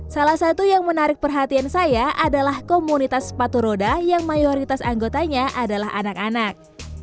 salah satu yang menarik perhatian saya adalah komunitas sepatu roda yang mayoritas anggotanya adalah anak anak